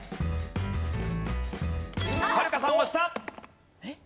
はるかさん押した！